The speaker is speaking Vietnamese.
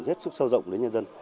hết sức sâu rộng đến nhân dân